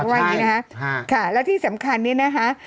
วันนี้นะครับค่ะแล้วที่สำคัญเนี่ยนะฮะ